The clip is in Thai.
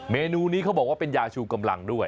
เมนูนี้เขาบอกว่าเป็นยาชูกำลังด้วย